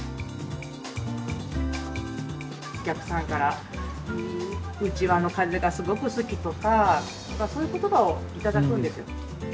お客さんから「いいうちわの風がすごく好き」とかそういう言葉を頂くんですよ。